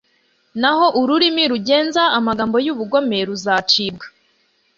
naho ururimi rugenza amagambo y'ubugome ruzacibwa